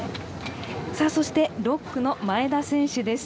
そして６区の前田選手です。